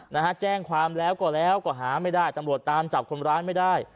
นะฮะแจ้งความแล้วก็แล้วก็หาไม่ได้ตำรวจตามจับคนร้ายไม่ได้